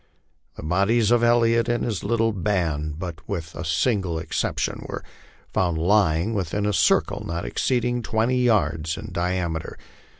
" The bodies of Elliott and his little band, with but a single exception, were found lying within a circle not exceeding twenty yards in diameter.